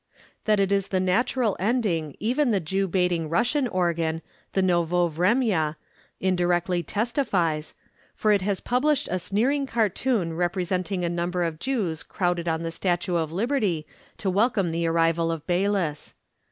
That it is the natural ending even the Jew baiting Russian organ, the Novoe Vremya, indirectly testifies, for it has published a sneering cartoon representing a number of Jews crowded on the Statue of Liberty to welcome the arrival of Beilis.